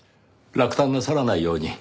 落胆なさらないように。